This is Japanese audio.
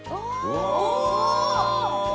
お！